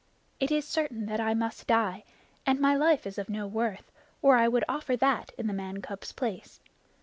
It is certain that I must die, and my life is of no worth, or I would offer that in the man cub's place.